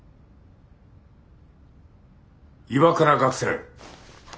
岩倉学生。